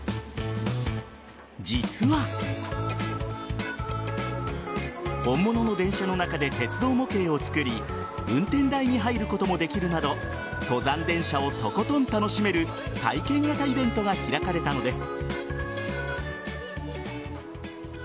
実は本物の電車の中で鉄道模型を作り運転台に入ることもできるなど登山電車をとことん楽しめる体験型イベントが開かれたのです。